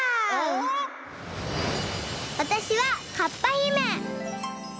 わたしはかっぱひめ！